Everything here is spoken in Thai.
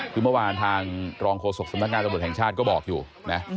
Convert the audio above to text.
คือเมื่อวานทางรองโฆษกสำนักงานตำรวจแห่งชาติก็บอกอยู่นะ